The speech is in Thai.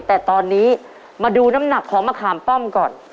แต่ตอนนี้มาดูน้ำหนักของมะขามป้อมก่อน